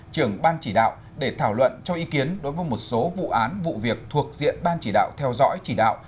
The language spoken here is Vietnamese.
trưởng ban chỉ đạo để thảo luận cho ý kiến đối với một số vụ án vụ việc thuộc diện ban chỉ đạo theo dõi chỉ đạo